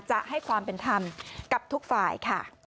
จะให้ความเป็นธรรมกับทุกฝ่ายค่ะ